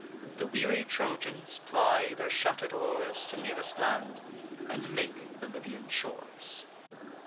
The weary Trojans ply their shatter'd oars To nearest land, and make the Libyan shores.